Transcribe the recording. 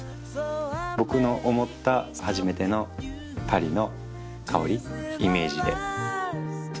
僕の思った初めてのパリの香りイメージで。